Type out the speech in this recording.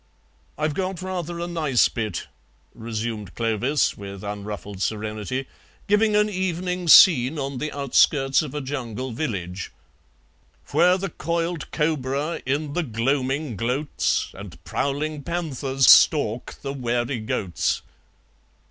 "I've got rather a nice bit," resumed Clovis with unruffled serenity, "giving an evening scene on the outskirts of a jungle village: 'Where the coiled cobra in the gloaming gloats, And prowling panthers stalk the wary goats.'"